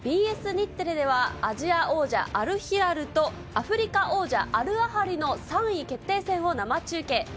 ＢＳ日テレではアジア王者アルヒラルとアフリカ王者アルアハリの３位決定戦を生中継。